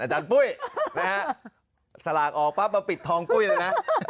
อาจารย์ปุ้ยสลากออกปั๊บมาปิดทองปุ้ยเลยนะ